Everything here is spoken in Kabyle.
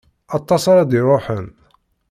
Aṭas ara d-iṛuḥen.